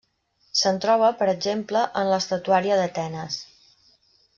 Se'n troba, per exemple, en l'estatuària d'Atenes.